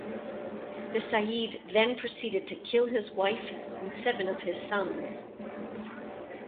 The Sayyid then proceeded to kill his wife and seven of his sons.